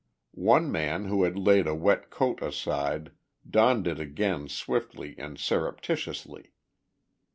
One man who had laid a wet coat aside donned it again swiftly and surreptitiously.